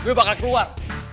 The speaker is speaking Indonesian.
gue bakal keluar